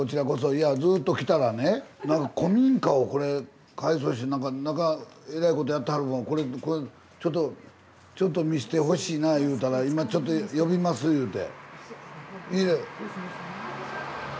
いやぁずっと来たらね何か古民家をこれ改装してえらいことやってはるのをこれちょっとちょっと見してほしいないうたら今ちょっと呼びますいうて。